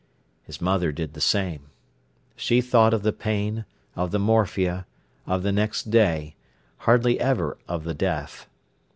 His mother did the same. She thought of the pain, of the morphia, of the next day; hardly ever of the death.